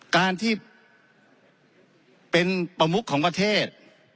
การที่เป็นประมุขของประเทศ